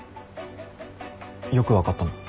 よく分かったな。